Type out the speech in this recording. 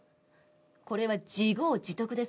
これは自業自得です。